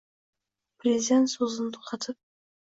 Prezident so‘zini to‘xtatib